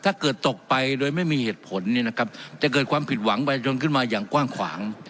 ถ้าเกิดตกไปโดยไม่มีเหตุผลเนี่ยนะครับจะเกิดความผิดหวังประชาชนขึ้นมาอย่างกว้างขวาง